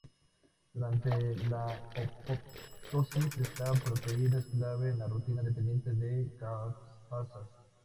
Durante la apoptosis, esta proteína es clave en la ruta dependiente de caspasas.